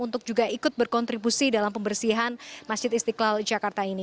untuk juga ikut berkontribusi dalam pembersihan masjid istiqlal jakarta ini